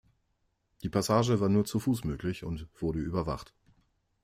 Die Passage war nur zu Fuß möglich und wurde überwacht.